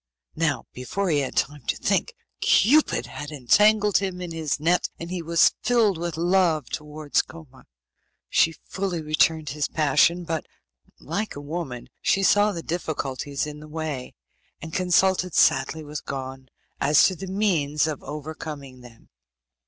Now, before he had time to think, Cupid had entangled him in his net, and he was filled with love towards Koma. She fully returned his passion, but, like a woman, she saw the difficulties in the way, and consulted sadly with Gon as to the means of overcoming them.